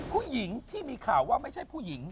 ผู้หญิงที่มีข่าวว่าไม่ใช่ผู้หญิง